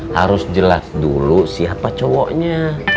harus jelas dulu siapa cowoknya